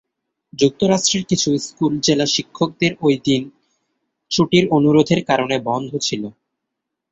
যুক্তরাষ্ট্রের কিছু স্কুল জেলা শিক্ষকদের ওই দিন ছুটির অনুরোধের কারণে বন্ধ ছিল।